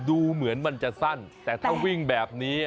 ดูเหมือนมันจะสั้นแต่ถ้าวิ่งแบบนี้